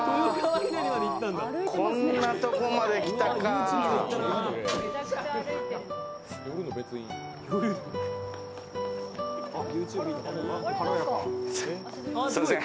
こんなとこまで来たかあ。